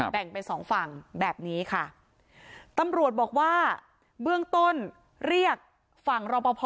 แบ่งเป็นสองฝั่งแบบนี้ค่ะตำรวจบอกว่าเบื้องต้นเรียกฝั่งรอปภ